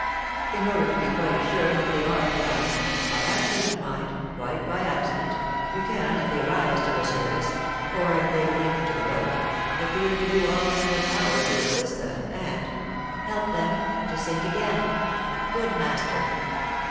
In order to be quite assured that they are drowned (by accident, mind! quite by accident), you can, if they rise to the surface, or if they cling to the boat, appear to do all in your power to assist them, and ' 'Help them to sink again! Good, master!'